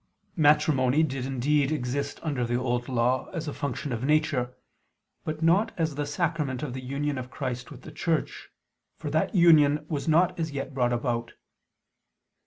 Matrimony did indeed exist under the Old Law, as a function of nature, but not as the sacrament of the union of Christ with the Church, for that union was not as yet brought about.